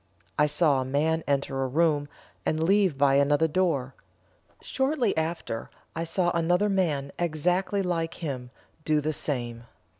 I saw a man enter a room, and leave by another door. Shortly after, I saw another man exactly like him do the same.